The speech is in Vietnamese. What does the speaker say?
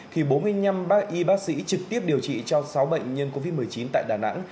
thì bốn mươi năm bác y bác sĩ trực tiếp điều trị cho sáu bệnh nhân covid một mươi chín tại đà nẵng